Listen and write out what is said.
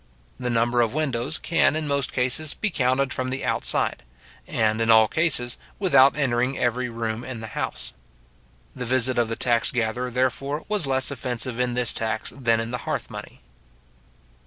The number of windows can, in most cases, be counted from the outside, and, in all cases, without entering every room in the house. The visit of the tax gatherer, therefore, was less offensive in this tax than in the hearth money.